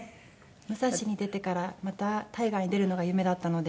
『武蔵ＭＵＳＡＳＨＩ』に出てからまた大河に出るのが夢だったので。